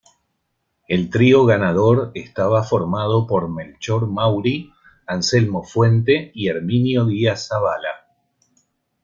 El trío ganador estaba formado por Melchor Mauri, Anselmo Fuerte y Herminio Díaz Zabala.